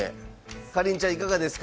かりんちゃんいかがですか？